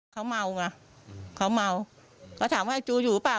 เขาเมาไงเขาเมาเขาถามว่าไอจูอยู่หรือเปล่า